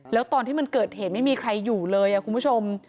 แล้วตอนที่มันเกิดเหตุไม่มีใครอยู่เลยคุณผู้ชม